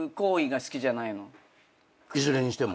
いずれにしても。